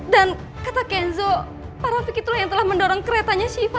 dan kata kenzo para pik itulah yang telah mendorong keretanya siva